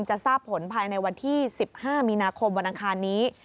จะทราบผลภายในวันที่๑๕มีนาคมวันอังคารนี้